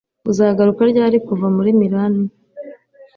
Uzagaruka ryari kuva muri Milan